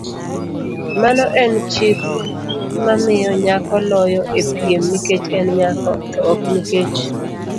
mano en chik mamiyo nyako loyo e piem nikech en nyako, to ok nikech